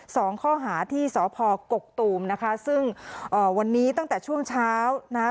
สองข้อหาที่สพกกตูมนะคะซึ่งเอ่อวันนี้ตั้งแต่ช่วงเช้านะคะ